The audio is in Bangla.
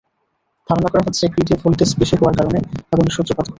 ধারণা করা হচ্ছে, গ্রিডে ভোল্টেজ বেশি হওয়ার কারণে আগুনের সূত্রপাত ঘটেছে।